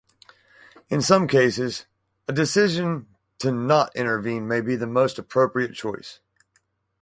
In some cases, a decision to not intervene may be the most appropriate choice.